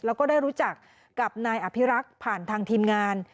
แล้วก็ได้รู้จักกับนายอภิรักษ์ผ่านทางทีมงาน